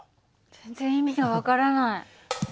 全然意味が分からない。